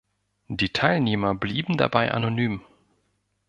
Die Teilnehmer blieben dabei anonym.